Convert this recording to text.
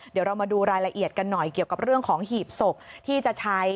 เดี๋ยวเรามาดูรายละเอียดกันหน่อยเกี่ยวกับเรื่องของหีบศพที่จะใช้